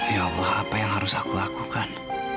ya allah apa yang harus aku lakukan